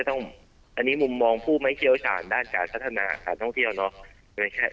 อันนี้มุมมองผู้ไม่เชี่ยวชาญด้านการพัฒนาการท่องเที่ยวเนอะ